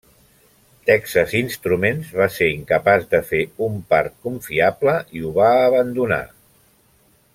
Texas Instruments va ser incapaç de fer un part confiable i ho va abandonar.